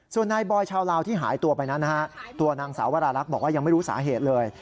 ส่วนนายบอยชาวลาวที่หายตัวไปนั้นนะฮะตัวนางสาววรารักษ์บอกว่ายังไม่รู้สาเหตุเลย